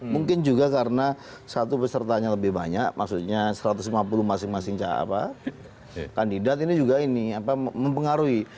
mungkin juga karena satu pesertanya lebih banyak maksudnya satu ratus lima puluh masing masing kandidat ini juga ini mempengaruhi